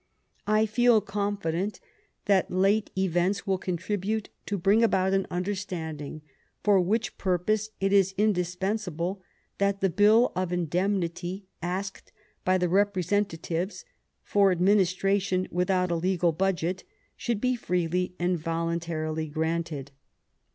I feel confident that late events will contribute to bring about an understanding, for which purpose it is indispensable that the Bill of Indemnity asked from the representatives, for administration without a legal budget, should be freely and voluntarily granted."